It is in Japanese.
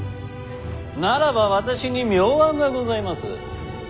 ならば私に妙案がございます。